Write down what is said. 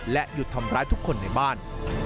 หยุดทำร้ายทุกคนในบ้าน